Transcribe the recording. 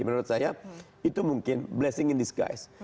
menurut saya itu mungkin blessing in disguise